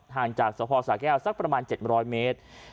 ห่างจากสภสาแก้วสักประมาณ๗๐๐เมตร